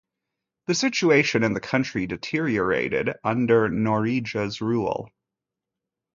The situation in the country deteriorated under Noriega's rule.